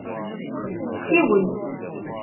Siwel.